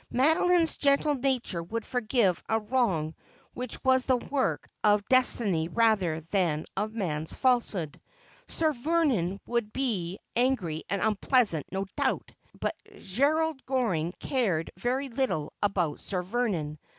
Madeline's gentle nature would forgive a wrong ■which was the work of destiny rather than of man's falsehood. Sir Vernon would be angry and unpleasant, no doubt ; but Gerald Goring cared very little about Sir Vernon.